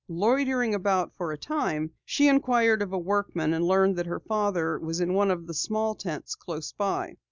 Loitering about for a time, she inquired of a workman and learned that her father was in one of the small tents close by.